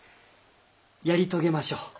やり遂げましょう。